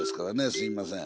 すみません。